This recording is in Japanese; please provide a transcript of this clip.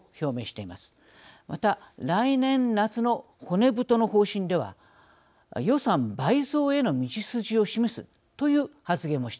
また来年夏の骨太の方針では予算倍増への道筋を示すという発言もしています。